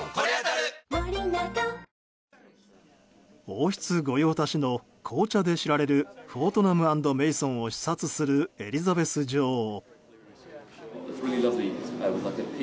王室御用達の紅茶で知られるフォートナム・アンド・メイソンを視察するエリザベス女王。